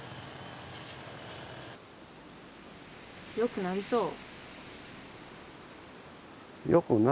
よくなりそう？